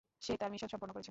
সে তার মিশন সম্পন্ন করেছে।